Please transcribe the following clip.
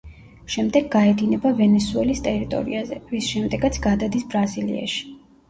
შემდეგ გაედინება ვენესუელის ტერიტორიაზე, რის შემდეგაც გადადის ბრაზილიაში.